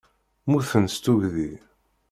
Mmuten seg tuggdi.